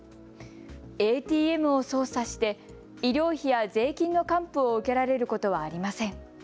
ＡＴＭを操作して医療費や税金の還付を受けられることはありません。